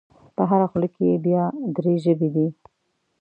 په هره خوله کې یې بیا درې ژبې دي.